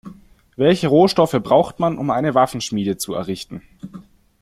Welche Rohstoffe braucht man, um eine Waffenschmiede zu errichten?